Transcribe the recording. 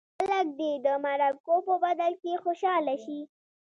خلک دې د مرکو په بدل کې خوشاله شي.